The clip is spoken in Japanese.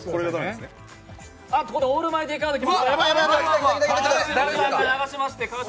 オールマイティーカードきました。